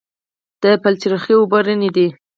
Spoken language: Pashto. د بلچراغ اوبه رڼې دي